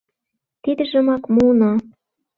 — Тидыжымак муына.